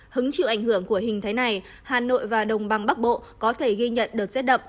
hứng chịu ảnh hưởng của hình thế này hà nội và đồng bằng bắc bộ có thể ghi nhận đợt rét đậm